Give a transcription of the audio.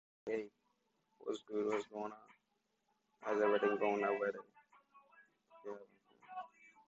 This work required strong, hard-working men.